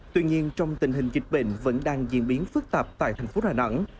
tuy nhiên trong tình hình dịch bệnh vẫn đang diễn biến phức tạp tại thành phố đà nẵng